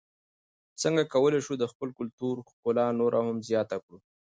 څنګه کولای سو د خپل کلتور ښکلا نوره هم زیاته کړو؟